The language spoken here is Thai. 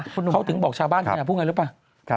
เขาถึงบอกชาวบ้านขนาดพูดไงหรือเปล่า